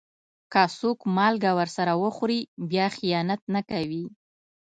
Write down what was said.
که څوک مالګه درسره وخوري، بیا خيانت نه کوي.